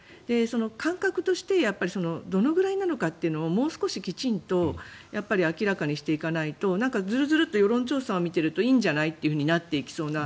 感覚としてどのぐらいなのかというのをもう少しきちんと明らかにしていかないとずるずると世論調査を見ているといいんじゃないとなっていきそうな。